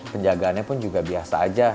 penjagaannya pun juga biasa aja